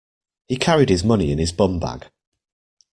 He carried his money in his bumbag